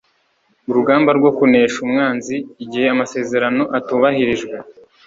urugamba rwo kunesha umwanzi igihe amasezerano atubahirijwe